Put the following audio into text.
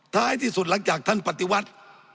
ท้ายที่สุดหลังจากท่านปฏิวัติ